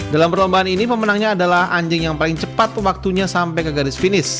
dalam perlombaan ini pemenangnya adalah anjing yang paling cepat waktunya sampai ke garis finish